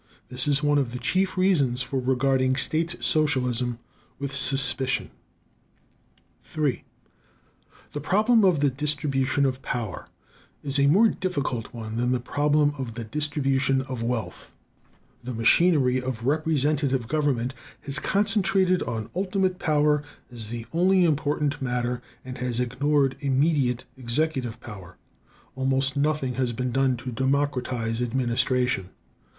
This is one of the chief reasons for regarding state socialism with suspicion. Cf. J. A. Hobson, "The Evolution of Modern Capitalism." III The problem of the distribution of power is a more difficult one than the problem of the distribution of wealth. The machinery of representative government has concentrated on ultimate power as the only important matter, and has ignored immediate executive power. Almost nothing has been done to democratize administration.